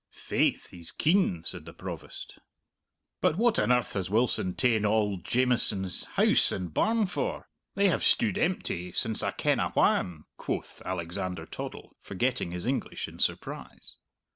"Faith, he's keen," said the Provost. "But what on earth has Wilson ta'en auld Jamieson's house and barn for? They have stude empty since I kenna whan," quoth Alexander Toddle, forgetting his English in surprise.